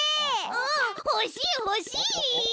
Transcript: うんほしいほしい！